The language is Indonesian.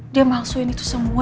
dia maksudin itu semua